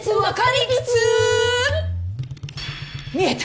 見えた！